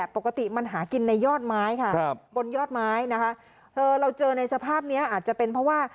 ปกติมันหากินในยอดไม้ค่ะบนยอดไม้นะคะเราเจอในสภาพนี้อาจจะเป็นเพราะว่า